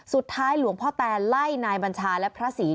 สุดท้ายหลวงพ่อแตนไล่นายบัญชาและพระศรี